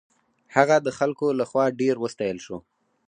هغه د خلکو له خوا ډېر وستایل شو.